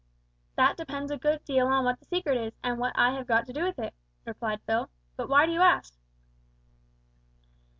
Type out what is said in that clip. "That depends a good deal on what the secret is, and what I have got to do with it," replied Phil. "But why do you ask?"